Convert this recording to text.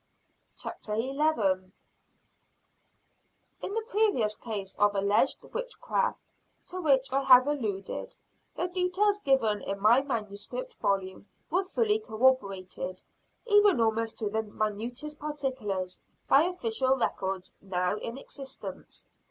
CHAPTER XVI. Dulcibel in Prison. In the previous cases of alleged witchcraft to which I have alluded, the details given in my manuscript volume were fully corroborated, even almost to the minutest particulars, by official records now in existence.